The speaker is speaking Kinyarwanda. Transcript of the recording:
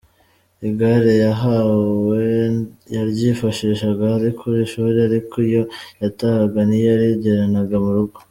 Igare yahawe yaryifashishaga ari ku ishuri, ariko iyo yatahaga ntiyarigeranaga mu rugo.